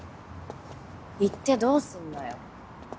言ってどうすんだよ。